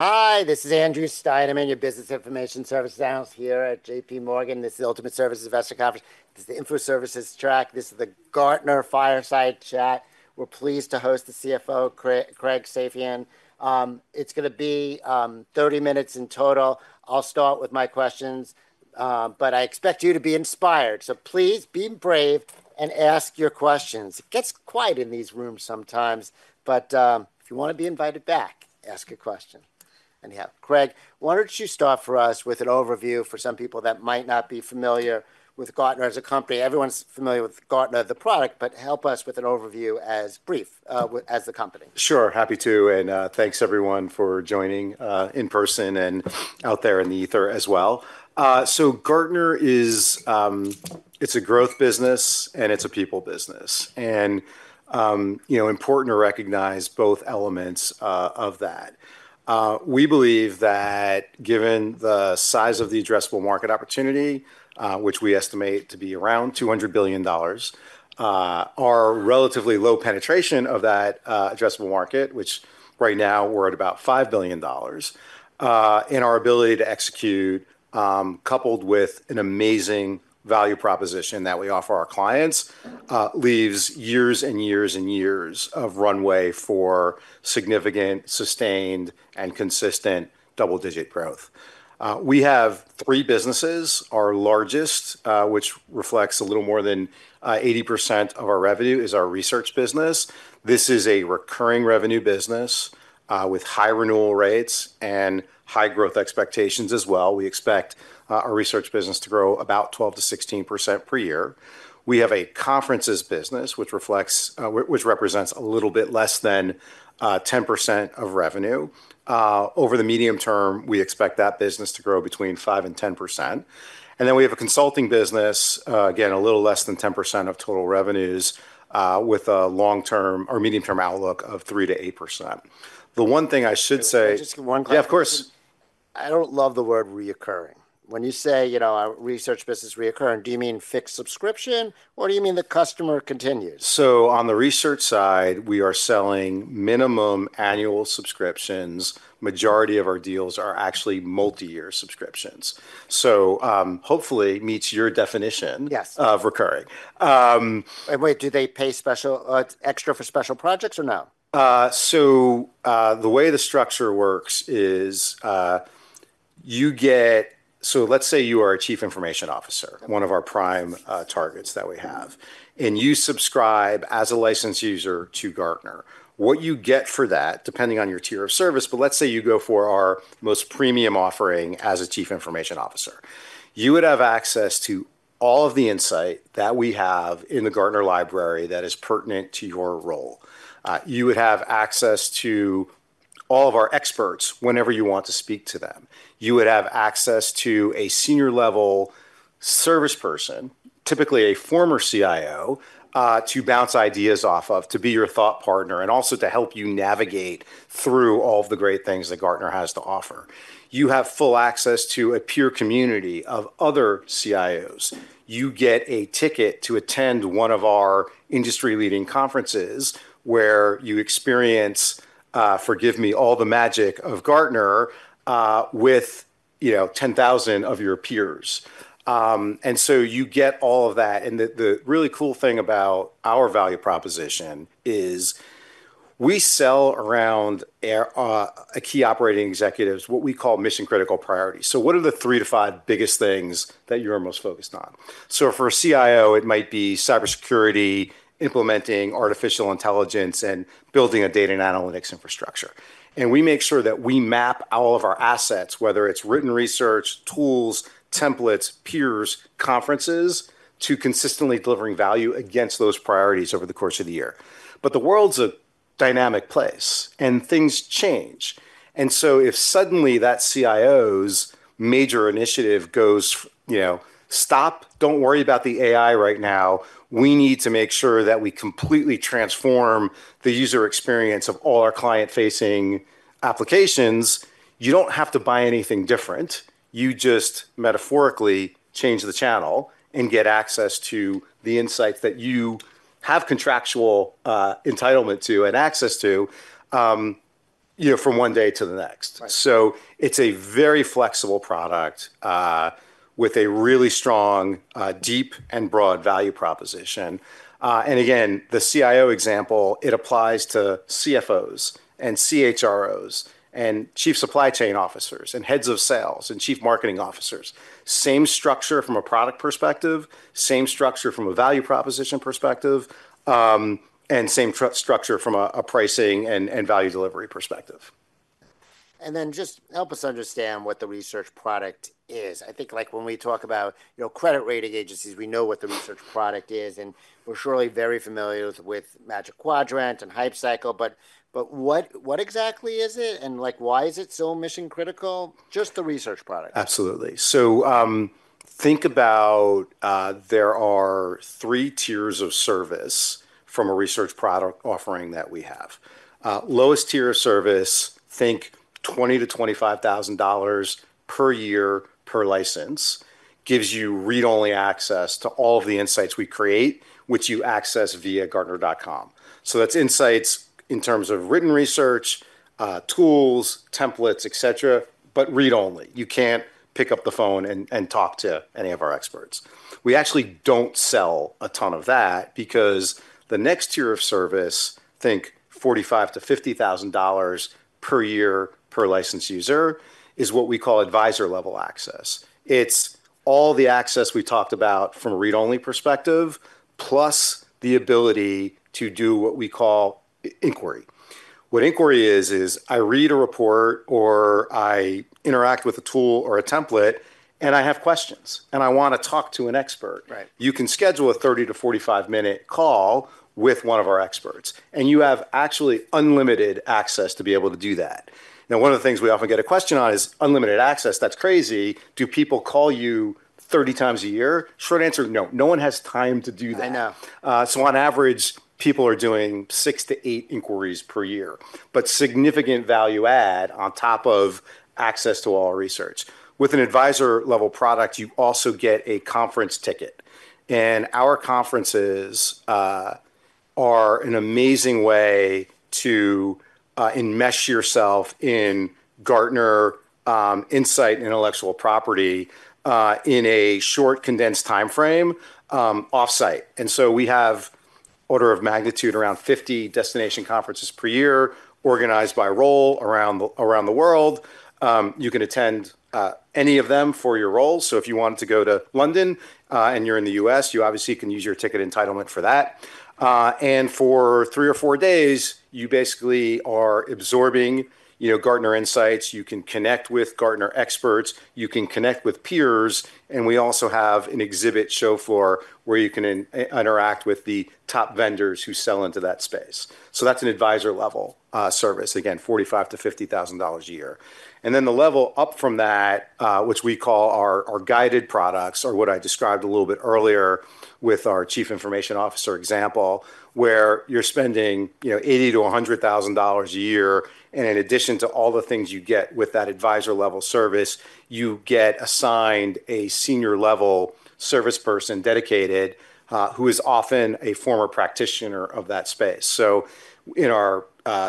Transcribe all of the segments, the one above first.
Hi, this is Andrew Stein. I'm your Business Information Services Analyst here at J.P. Morgan. This is the Ultimate Services Investor Conference. This is the Info Services Track. This is the Gartner Fireside Chat. We're pleased to host the CFO, Craig Safian. It's going to be 30 minutes in total. I'll start with my questions, but I expect you to be inspired. So please be brave and ask your questions. It gets quiet in these rooms sometimes, but if you want to be invited back, ask your question. Anyhow, Craig, why don't you start for us with an overview for some people that might not be familiar with Gartner as a company? Everyone's familiar with Gartner, the product, but help us with an overview as brief as the company. Sure, happy to, and thanks, everyone, for joining in person and out there in the ether as well, so Gartner is a growth business, and it's a people business, and important to recognize both elements of that. We believe that given the size of the addressable market opportunity, which we estimate to be around $200 billion, our relatively low penetration of that addressable market, which right now we're at about $5 billion, and our ability to execute, coupled with an amazing value proposition that we offer our clients, leaves years and years and years of runway for significant, sustained, and consistent double-digit growth. We have three businesses. Our largest, which reflects a little more than 80% of our revenue, is our research business. This is a recurring revenue business with high renewal rates and high growth expectations as well. We expect our research business to grow about 12%-16% per year. We have a conferences business, which represents a little bit less than 10% of revenue. Over the medium term, we expect that business to grow between 5% and 10%. And then we have a consulting business, again, a little bit less than 10% of total revenues, with a long-term or medium-term outlook of 3%-8%. The one thing I should say. Just one question. Yeah, of course. I don't love the word "recurring." When you say, you know, research business recurring, do you mean fixed subscription, or do you mean the customer continues? On the research side, we are selling minimum annual subscriptions. The majority of our deals are actually multi-year subscriptions. So hopefully it meets your definition of recurring. Wait, do they pay extra for special projects or no? So the way the structure works is you get, so let's say you are a Chief Information Officer, one of our prime targets that we have. And you subscribe as a licensed user to Gartner. What you get for that, depending on your tier of service, but let's say you go for our most premium offering as a Chief Information Officer, you would have access to all of the insight that we have in the Gartner library that is pertinent to your role. You would have access to all of our experts whenever you want to speak to them. You would have access to a senior-level service person, typically a former CIO, to bounce ideas off of, to be your thought partner, and also to help you navigate through all of the great things that Gartner has to offer. You have full access to a peer community of other CIOs. You get a ticket to attend one of our industry-leading conferences where you experience, forgive me, all the magic of Gartner with 10,000 of your peers, and so you get all of that, and the really cool thing about our value proposition is we sell around key operating executives what we call Mission Critical Priorities, so what are the three to five biggest things that you're most focused on, so for a CIO, it might be cybersecurity, implementing artificial intelligence, and building a data and analytics infrastructure, and we make sure that we map all of our assets, whether it's written research, tools, templates, peers, conferences, to consistently delivering value against those priorities over the course of the year, but the world's a dynamic place, and things change, and so if suddenly that CIO's major initiative goes, you know, stop, don't worry about the AI right now. We need to make sure that we completely transform the user experience of all our client-facing applications. You don't have to buy anything different. You just metaphorically change the channel and get access to the insights that you have contractual entitlement to and access to from one day to the next. So it's a very flexible product with a really strong, deep, and broad value proposition. And again, the CIO example, it applies to CFOs and CHROs and Chief Supply Chain Officers and Heads of Sales and Chief Marketing Officers. Same structure from a product perspective, same structure from a value proposition perspective, and same structure from a pricing and value delivery perspective. Then just help us understand what the research product is. I think like when we talk about credit rating agencies, we know what the research product is. And we're surely very familiar with Magic Quadrant and Hype Cycle. But what exactly is it? And why is it so mission-critical? Just the research product. Absolutely. So think about there are three tiers of service from a research product offering that we have. Lowest tier of service, think $20,000-$25,000 per year per license, gives you read-only access to all of the insights we create, which you access via gartner.com. So that's insights in terms of written research, tools, templates, et cetera, but read-only. You can't pick up the phone and talk to any of our experts. We actually don't sell a ton of that because the next tier of service, think $45,000-$50,000 per year per licensed user, is what we call Advisor-level access. It's all the access we talked about from a read-only perspective, plus the ability to do what we call Inquiry. What inquiry is, is I read a report or I interact with a tool or a template, and I have questions, and I want to talk to an expert. You can schedule a 30- to 45-minute call with one of our experts, and you have actually unlimited access to be able to do that. Now, one of the things we often get a question on is unlimited access. That's crazy. Do people call you 30 times a year? Short answer, no. No one has time to do that. I know. So on average, people are doing six to eight inquiries per year, but significant value add on top of access to all our research. With an advisor-level product, you also get a conference ticket. And our conferences are an amazing way to enmesh yourself in Gartner insight and intellectual property in a short, condensed time frame off-site. And so we have an order of magnitude around 50 destination conferences per year organized by role around the world. You can attend any of them for your role. So if you wanted to go to London and you're in the U.S., you obviously can use your ticket entitlement for that. And for three or four days, you basically are absorbing Gartner insights. You can connect with Gartner experts. You can connect with peers. And we also have an exhibit show floor where you can interact with the top vendors who sell into that space. So that's an advisor-level service, again, $45,000-$50,000 a year. And then the level up from that, which we call our guided products, or what I described a little bit earlier with our Chief Information Officer example, where you're spending $80,000-$100,000 a year. And in addition to all the things you get with that advisor-level service, you get assigned a senior-level service person dedicated who is often a former practitioner of that space. So in our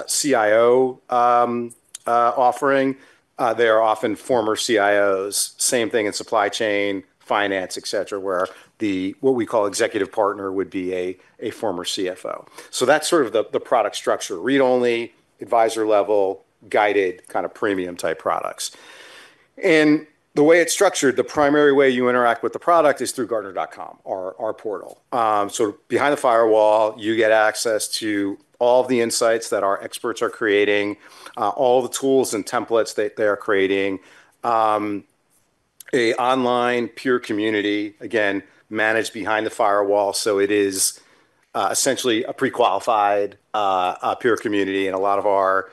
CIO offering, there are often former CIOs. Same thing in supply chain, finance, et cetera, where the, what we call, executive Partner would be a former CFO. So that's sort of the product structure: read-only, advisor-level, guided kind of premium-type products. And the way it's structured, the primary way you interact with the product is through Gartner.com, our portal. So behind the firewall, you get access to all of the insights that our experts are creating, all the tools and templates that they are creating, an online peer community, again, managed behind the firewall. So it is essentially a pre-qualified peer community. And a lot of our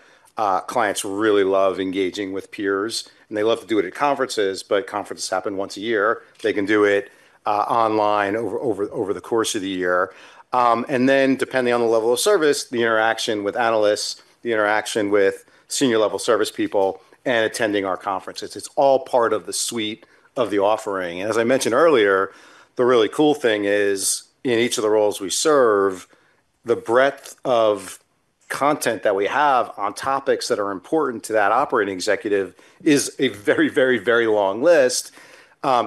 clients really love engaging with peers. And they love to do it at conferences, but conferences happen once a year. They can do it online over the course of the year. And then depending on the level of service, the interaction with analysts, the interaction with senior-level service people, and attending our conferences. It's all part of the suite of the offering. And as I mentioned earlier, the really cool thing is in each of the roles we serve, the breadth of content that we have on topics that are important to that operating executive is a very, very, very long list.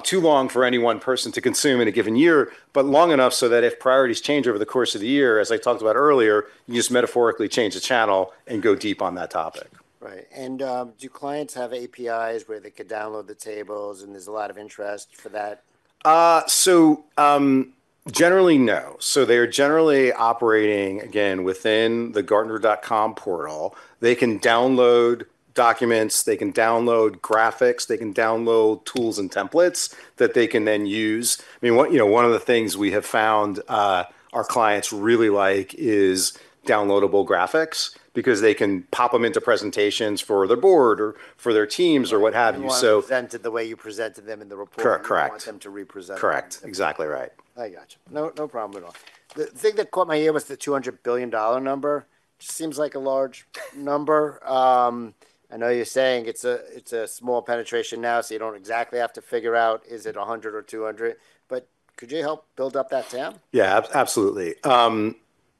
Too long for any one person to consume in a given year, but long enough so that if priorities change over the course of the year, as I talked about earlier, you just metaphorically change the channel and go deep on that topic. Right. And do clients have APIs where they could download the tables? And there's a lot of interest for that. So generally, no. So they are generally operating, again, within the Gartner.com portal. They can download documents. They can download graphics. They can download tools and templates that they can then use. I mean, one of the things we have found our clients really like is downloadable graphics because they can pop them into presentations for their board or for their teams or what have you. Why you presented the way you presented them in the report? Correct. You don't want them to represent. Correct. Exactly right. I gotcha. No problem at all. The thing that caught my ear was the $200 billion number. It just seems like a large number. I know you're saying it's a small penetration now, so you don't exactly have to figure out is it 100 or 200. But could you help build up that, Tim? Yeah, absolutely.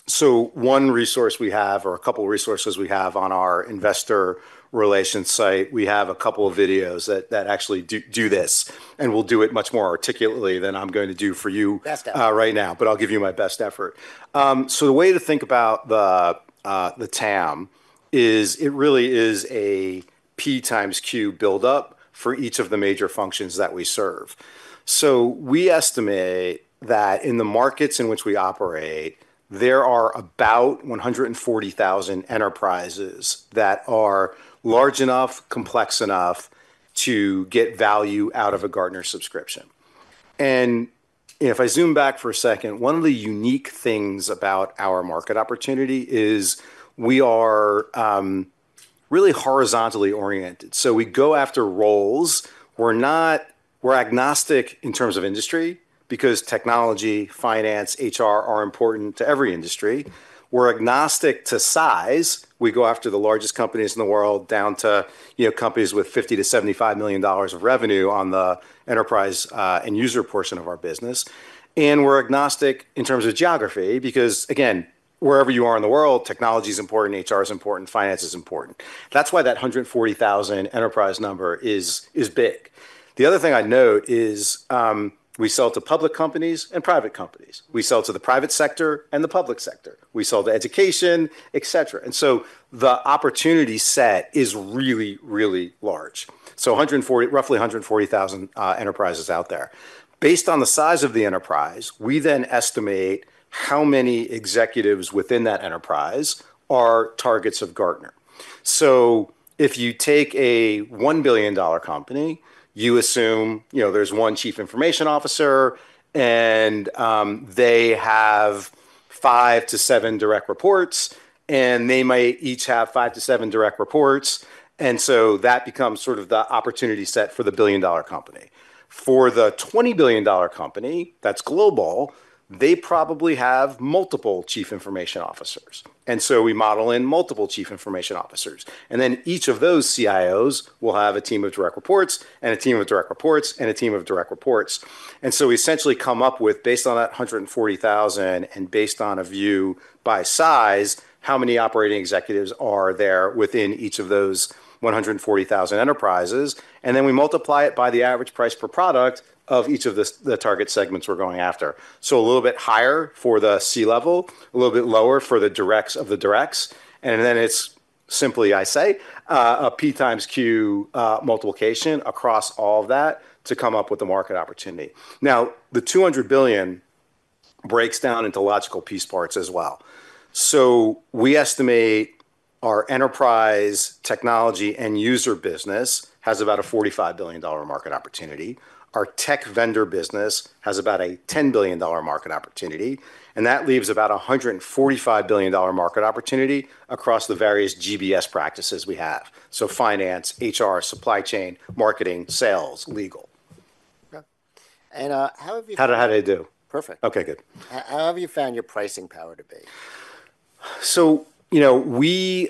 So one resource we have, or a couple of resources we have on our investor relations site, we have a couple of videos that actually do this, and we'll do it much more articulately than I'm going to do for you right now, but I'll give you my best effort. So the way to think about the TAM is it really is a P times Q buildup for each of the major functions that we serve, so we estimate that in the markets in which we operate, there are about 140,000 enterprises that are large enough, complex enough to get value out of a Gartner subscription, and if I zoom back for a second, one of the unique things about our market opportunity is we are really horizontally oriented, so we go after roles. We're agnostic in terms of industry because technology, finance, HR are important to every industry. We're agnostic to size. We go after the largest companies in the world down to companies with $50-$75 million of revenue on the enterprise and user portion of our business. And we're agnostic in terms of geography because, again, wherever you are in the world, technology is important. HR is important. Finance is important. That's why that 140,000 enterprise number is big. The other thing I'd note is we sell to public companies and private companies. We sell to the private sector and the public sector. We sell to education, et cetera. And so the opportunity set is really, really large. So roughly 140,000 enterprises out there. Based on the size of the enterprise, we then estimate how many executives within that enterprise are targets of Gartner. So if you take a $1 billion company, you assume there's one Chief Information Officer, and they have five to seven direct reports, and they might each have five to seven direct reports. And so that becomes sort of the opportunity set for the billion-dollar company. For the $20 billion company, that's global, they probably have multiple Chief Information Officers. And so we model in multiple Chief Information Officers. And then each of those CIOs will have a team of direct reports and a team of direct reports and a team of direct reports. And so we essentially come up with, based on that 140,000 and based on a view by size, how many operating executives are there within each of those 140,000 enterprises. And then we multiply it by the average price per product of each of the target segments we're going after. So a little bit higher for the C level, a little bit lower for the directs of the directs. And then it's simply, I say, a P times Q multiplication across all of that to come up with a market opportunity. Now, the $200 billion breaks down into logical piece parts as well. So we estimate our enterprise technology and user business has about a $45 billion market opportunity. Our tech vendor business has about a $10 billion market opportunity. And that leaves about a $145 billion market opportunity across the various GBS practices we have. So finance, HR, supply chain, marketing, sales, legal. How have you? How did I do? Perfect. Okay, good. How have you found your pricing power to be? We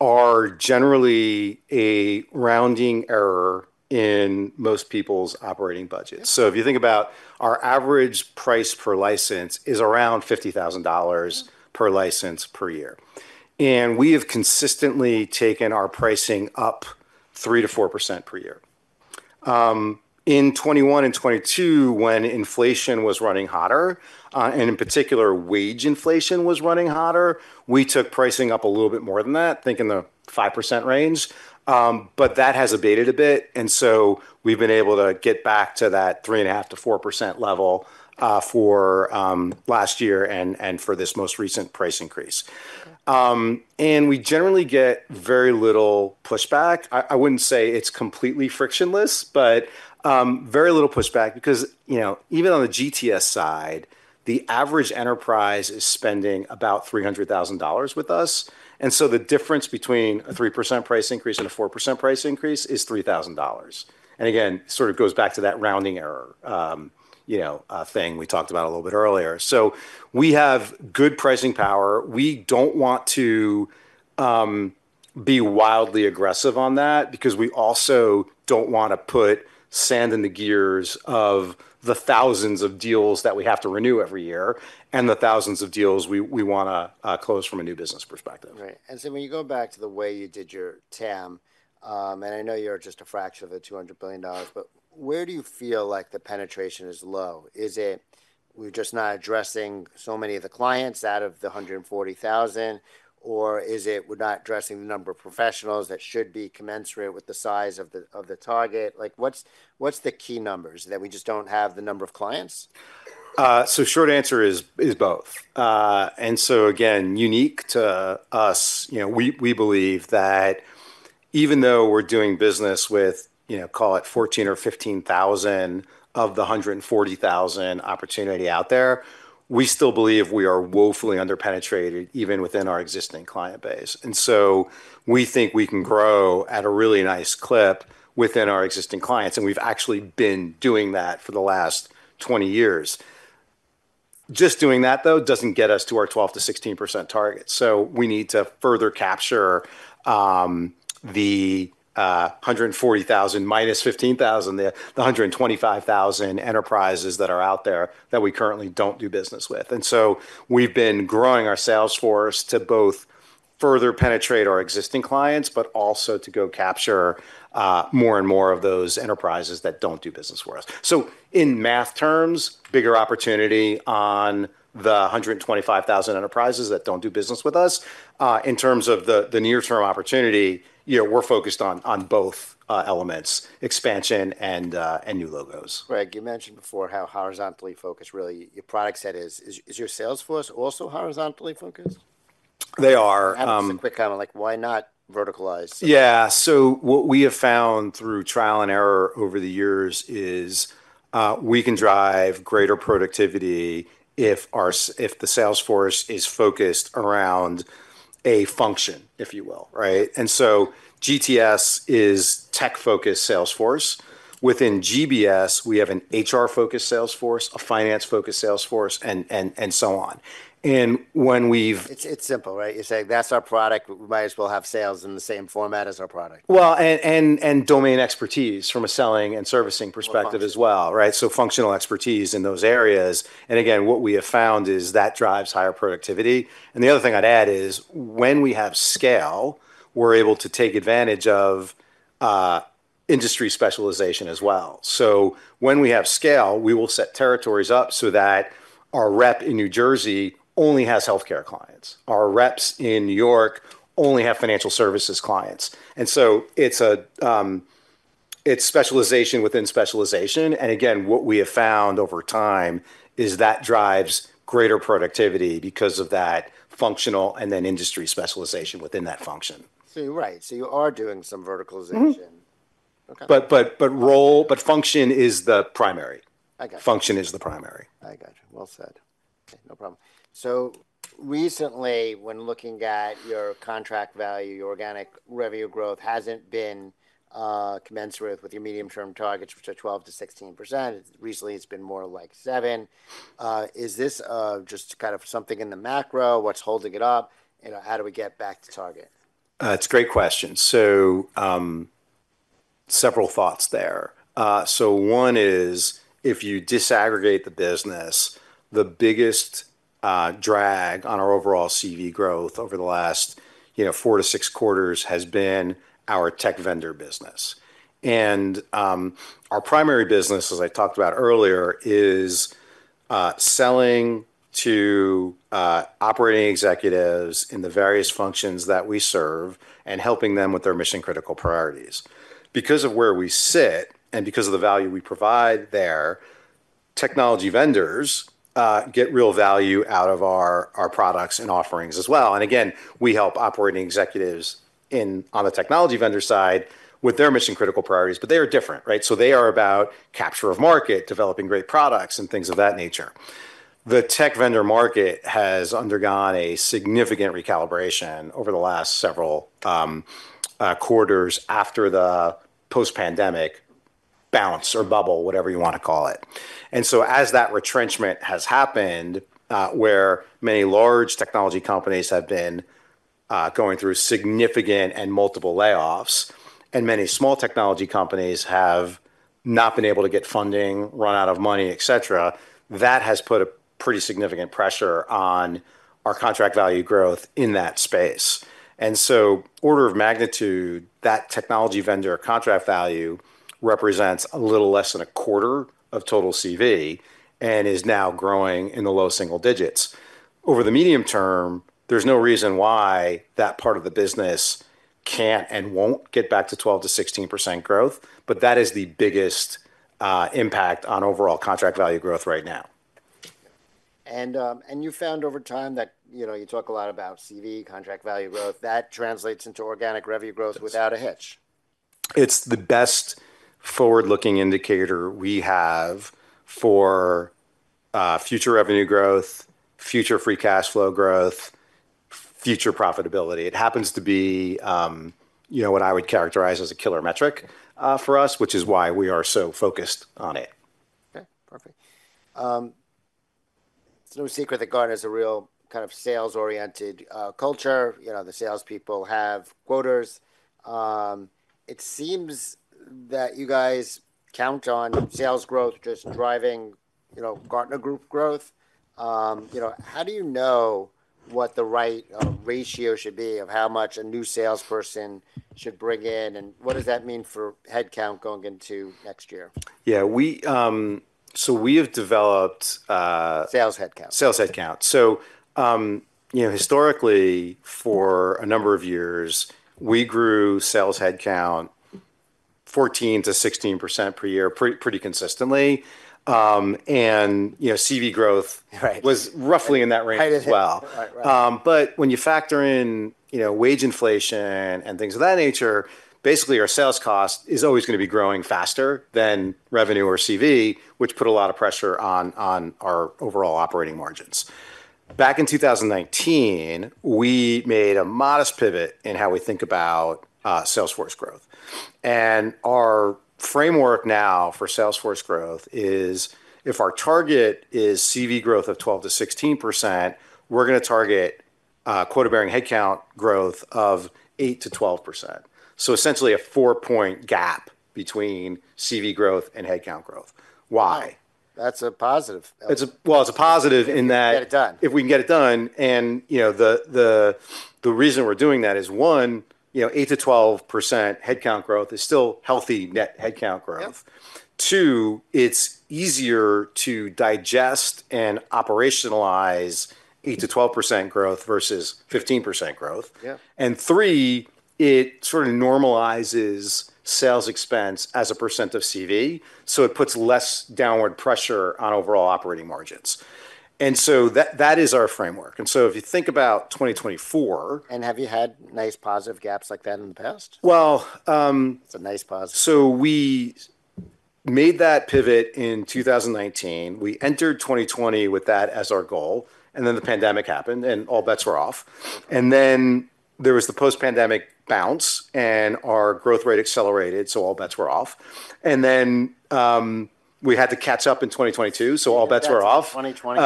are generally a rounding error in most people's operating budgets. If you think about our average price per license is around $50,000 per license per year. We have consistently taken our pricing up 3%-4% per year. In 2021 and 2022, when inflation was running hotter, and in particular, wage inflation was running hotter, we took pricing up a little bit more than that, think in the 5% range. That has abated a bit. We've been able to get back to that 3.5%-4% level for last year and for this most recent price increase. We generally get very little pushback. I wouldn't say it's completely frictionless, but very little pushback because even on the GTS side, the average enterprise is spending about $300,000 with us. And so the difference between a 3% price increase and a 4% price increase is $3,000. And again, it sort of goes back to that rounding error thing we talked about a little bit earlier. So we have good pricing power. We don't want to be wildly aggressive on that because we also don't want to put sand in the gears of the thousands of deals that we have to renew every year and the thousands of deals we want to close from a new business perspective. Right, and so when you go back to the way you did your TAM, and I know you're just a fraction of the $200 billion, but where do you feel like the penetration is low? Is it we're just not addressing so many of the clients out of the 140,000, or is it we're not addressing the number of professionals that should be commensurate with the size of the target? What's the key numbers that we just don't have the number of clients? So, short answer is both. And so again, unique to us, we believe that even though we're doing business with, call it, 14,000 or 15,000 of the 140,000 opportunity out there, we still believe we are woefully underpenetrated even within our existing client base. And so we think we can grow at a really nice clip within our existing clients. And we've actually been doing that for the last 20 years. Just doing that, though, doesn't get us to our 12% to 16% target. So we need to further capture the 140,000 minus 15,000, the 125,000 enterprises that are out there that we currently don't do business with. And so we've been growing our sales force to both further penetrate our existing clients, but also to go capture more and more of those enterprises that don't do business with us. So in math terms, bigger opportunity on the 125,000 enterprises that don't do business with us. In terms of the near-term opportunity, we're focused on both elements, expansion and new logos. Right. You mentioned before how horizontally focused really your product set is. Is your sales force also horizontally focused? They are. That's a quick comment. Why not verticalize? Yeah. So what we have found through trial and error over the years is we can drive greater productivity if the sales force is focused around a function, if you will. And so GTS is tech-focused sales force. Within GBS, we have an HR-focused sales force, a finance-focused sales force, and so on. And when we've. It's simple, right? You say, "That's our product. We might as well have sales in the same format as our product. Well, and domain expertise from a selling and servicing perspective as well, right? So functional expertise in those areas. And again, what we have found is that drives higher productivity. And the other thing I'd add is when we have scale, we're able to take advantage of industry specialization as well. So when we have scale, we will set territories up so that our rep in New Jersey only has healthcare clients. Our reps in New York only have financial services clients. And so it's specialization within specialization. And again, what we have found over time is that drives greater productivity because of that functional and then industry specialization within that function. So you're right. So you are doing some verticalization. But function is the primary. Function is the primary. I gotcha. Well said. No problem. So recently, when looking at your contract value, your organic revenue growth hasn't been commensurate with your medium-term targets, which are 12%-16%. Recently, it's been more like 7%. Is this just kind of something in the macro? What's holding it up? How do we get back to target? It's a great question. So several thoughts there. So one is if you disaggregate the business, the biggest drag on our overall CV growth over the last four to six quarters has been our tech vendor business. And our primary business, as I talked about earlier, is selling to operating executives in the various functions that we serve and helping them with their Mission Critical Priorities. Because of where we sit and because of the value we provide there, technology vendors get real value out of our products and offerings as well. And again, we help operating executives on the technology vendor side with their Mission Critical Priorities, but they are different, right? So they are about capture of market, developing great products, and things of that nature. The tech vendor market has undergone a significant recalibration over the last several quarters after the post-pandemic bounce or bubble, whatever you want to call it. And so as that retrenchment has happened, where many large technology companies have been going through significant and multiple layoffs, and many small technology companies have not been able to get funding, run out of money, et cetera, that has put a pretty significant pressure on our contract value growth in that space. And so order of magnitude, that technology vendor contract value represents a little less than a quarter of total CV and is now growing in the low single digits. Over the medium term, there's no reason why that part of the business can't and won't get back to 12%-16% growth, but that is the biggest impact on overall contract value growth right now. And you found over time that you talk a lot about CV, contract value growth. That translates into organic revenue growth without a hitch. It's the best forward-looking indicator we have for future revenue growth, future free cash flow growth, future profitability. It happens to be what I would characterize as a killer metric for us, which is why we are so focused on it. Okay. Perfect. It's no secret that Gartner is a real kind of sales-oriented culture. The salespeople have quotas. It seems that you guys count on sales growth just driving Gartner Group growth. How do you know what the right ratio should be of how much a new salesperson should bring in? And what does that mean for headcount going into next year? Yeah, so we have developed. Sales headcount. Sales headcount. So historically, for a number of years, we grew sales headcount 14%-16% per year pretty consistently. And CV growth was roughly in that range as well. But when you factor in wage inflation and things of that nature, basically our sales cost is always going to be growing faster than revenue or CV, which put a lot of pressure on our overall operating margins. Back in 2019, we made a modest pivot in how we think about sales force growth. And our framework now for sales force growth is if our target is CV growth of 12%-16%, we're going to target quota-bearing headcount growth of 8%-12%. So essentially a four-point gap between CV growth and headcount growth. Why? That's a positive. It's a positive in that. Get it done. If we can get it done, and the reason we're doing that is one, 8%-12% headcount growth is still healthy net headcount growth. Two, it's easier to digest and operationalize 8%-12% growth versus 15% growth. And three, it sort of normalizes sales expense as a % of CV. So it puts less downward pressure on overall operating margins, and so that is our framework, and so if you think about 2024. Have you had nice positive gaps like that in the past? Well. It's a nice positive. So we made that pivot in 2019. We entered 2020 with that as our goal. And then the pandemic happened and all bets were off. And then there was the post-pandemic bounce and our growth rate accelerated, so all bets were off. And then we had to catch up in 2022, so all bets were off. 2020.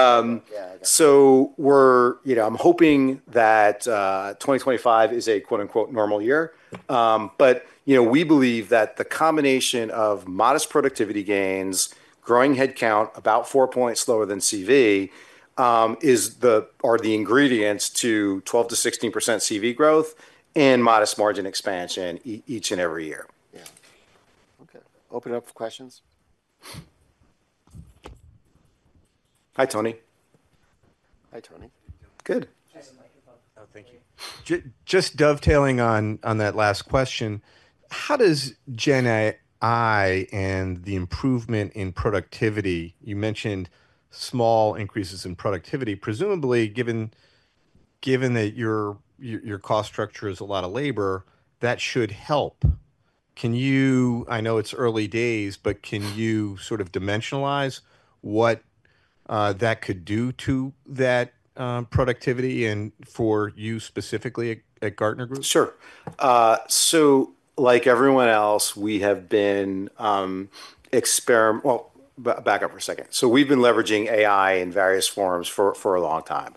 Yeah. So I'm hoping that 2025 is a "normal year." But we believe that the combination of modest productivity gains, growing headcount about four points slower than CV are the ingredients to 12%-16% CV growth and modest margin expansion each and every year. Yeah. Okay. Open up for questions. Hi, Tony. Hi, Tony. Good. Oh, thank you. Just dovetailing on that last question, how does Gen AI and the improvement in productivity, you mentioned small increases in productivity, presumably given that your cost structure is a lot of labor, that should help. I know it's early days, but can you sort of dimensionalize what that could do to that productivity and for you specifically at Gartner? Sure. So like everyone else, we have been well, back up for a second. So we've been leveraging AI in various forms for a long time.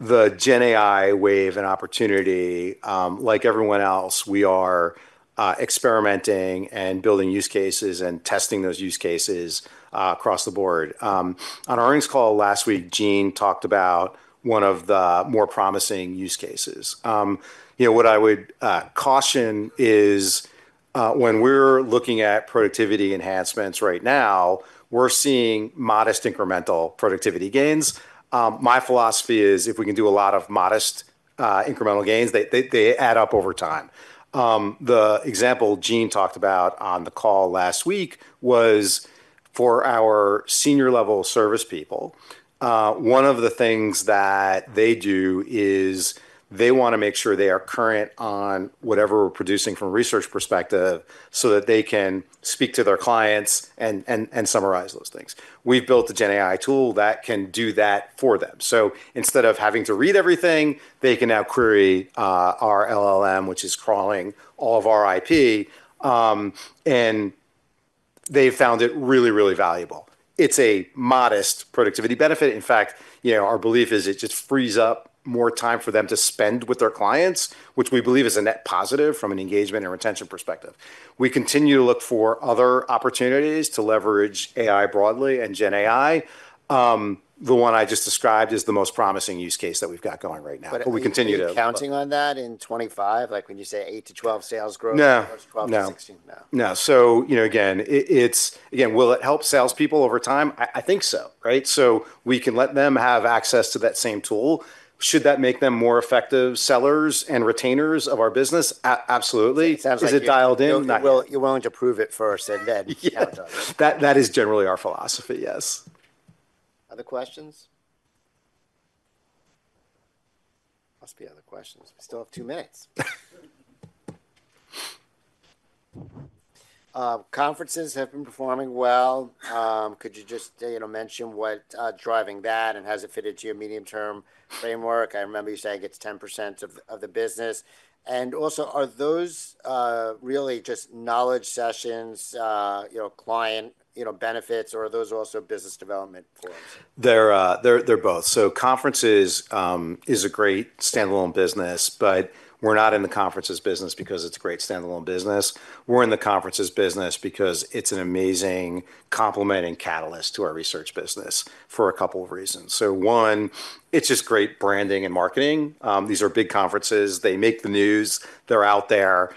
The Gen AI wave and opportunity, like everyone else, we are experimenting and building use cases and testing those use cases across the board. On our earnings call last week, Gene talked about one of the more promising use cases. What I would caution is when we're looking at productivity enhancements right now, we're seeing modest incremental productivity gains. My philosophy is if we can do a lot of modest incremental gains, they add up over time. The example Gene talked about on the call last week was for our senior-level service people, one of the things that they do is they want to make sure they are current on whatever we're producing from a research perspective so that they can speak to their clients and summarize those things. We've built a Gen AI tool that can do that for them so instead of having to read everything, they can now query our LLM, which is crawling all of our IP, and they've found it really, really valuable. It's a modest productivity benefit. In fact, our belief is it just frees up more time for them to spend with their clients, which we believe is a net positive from an engagement and retention perspective. We continue to look for other opportunities to leverage AI broadly and Gen AI. The one I just described is the most promising use case that we've got going right now. But we continue to. Are you counting on that in 2025? Like when you say 8%-12% sales growth versus 12%-16%? No. No. So again, will it help salespeople over time? I think so, right? So we can let them have access to that same tool. Should that make them more effective sellers and retainers of our business? Absolutely. Is it dialed in? You're willing to prove it first and then you have to. That is generally our philosophy, yes. Other questions? Must be other questions. We still have two minutes. Conferences have been performing well. Could you just mention what's driving that and has it fitted to your medium-term framework? I remember you saying it's 10% of the business. And also, are those really just knowledge sessions, client benefits, or are those also business development forums? They're both. So conferences is a great standalone business, but we're not in the conferences business because it's a great standalone business. We're in the conferences business because it's an amazing complementary catalyst to our research business for a couple of reasons. So one, it's just great branding and marketing. These are big conferences. They make the news. They're out there.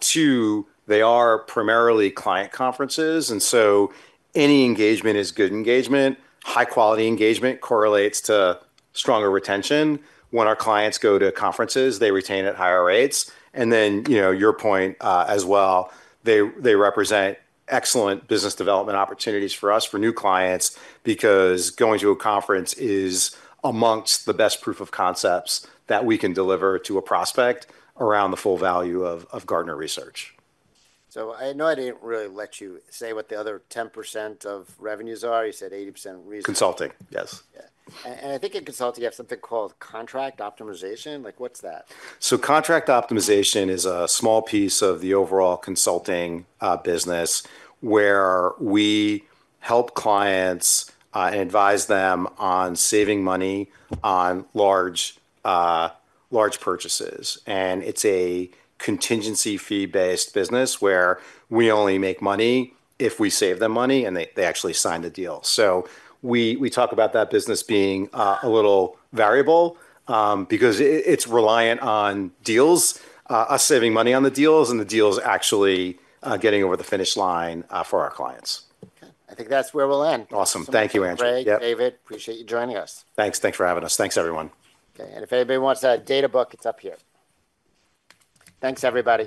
Two, they are primarily client conferences. And so any engagement is good engagement. High-quality engagement correlates to stronger retention. When our clients go to conferences, they retain at higher rates. And then your point as well, they represent excellent business development opportunities for us, for new clients, because going to a conference is amongst the best proof of concepts that we can deliver to a prospect around the full value of Gartner Research. So I know I didn't really let you say what the other 10% of revenues are. You said 80%. Consulting, yes. Yeah, and I think in consulting, you have something called Contract Optimization. What's that? Contract Optimization is a small piece of the overall consulting business where we help clients and advise them on saving money on large purchases. It's a contingency fee-based business where we only make money if we save them money and they actually sign the deal. We talk about that business being a little variable because it's reliant on deals, us saving money on the deals, and the deals actually getting over the finish line for our clients. Okay. I think that's where we'll end. Awesome. Thank you, Andrew. Great. David, appreciate you joining us. Thanks. Thanks for having us. Thanks, everyone. Okay. And if anybody wants a data book, it's up here. Thanks, everybody.